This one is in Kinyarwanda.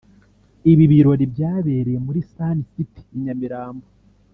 Ibi birori byabereye muri Sun City i Nyamirambo